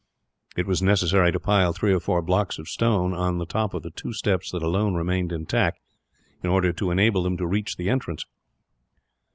It was necessary to pile three or four blocks of stone on the top of the two steps that alone remained intact, in order to enable them to reach the entrance.